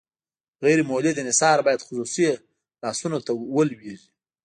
غیر مولد انحصار باید خصوصي لاسونو ته ولویږي.